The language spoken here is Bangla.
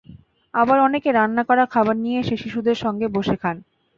আবার অনেকে রান্না করা খাবার নিয়ে এসে শিশুদের সঙ্গে বসে খান।